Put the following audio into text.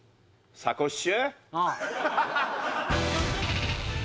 サコッシュ！